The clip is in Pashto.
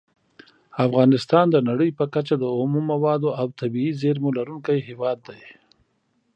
افغانستان د نړۍ په کچه د اومو موادو او طبیعي زېرمو لرونکی هیواد دی.